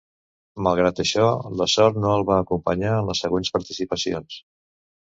Malgrat això, la sort no el va acompanyar en les següents participacions.